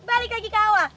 balik lagi ke awal